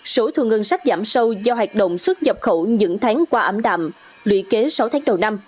số thu ngân sách giảm sâu do hoạt động xuất nhập khẩu những tháng qua ảm đạm lũy kế sáu tháng đầu năm